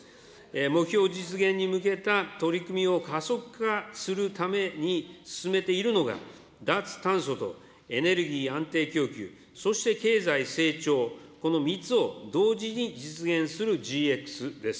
目標実現に向けた取り組みを加速化するために進めているのが、脱炭素とエネルギー安定供給、そして経済成長、この３つを同時に実現するＧＸです。